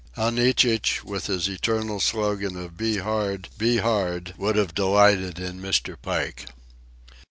How Nietzsche, with his eternal slogan of "Be hard! Be hard!" would have delighted in Mr. Pike!